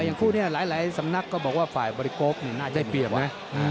อย่างคู่เนี่ยหลายสำนักก็บอกว่าฝ่ายบริโกฟนี่น่าจะมีความ